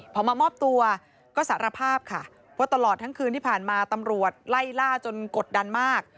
พอมามอบตัวก็สารภาพค่ะว่าตลอดทั้งคืนที่ผ่านมาตำรวจไล่ล่าจนกดดันมาก